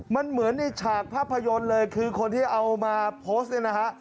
มันเหมือนในฉากภาพยนตร์เลยคือคนที่เอามาโพสต์เนี่ยนะฮะ